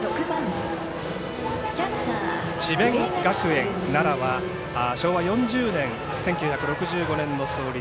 智弁学園奈良は昭和４０年、１９６５年の創立